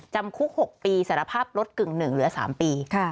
จำคุก๖ปีสารภาพลดกึ่งหนึ่งเหลือ๓ปี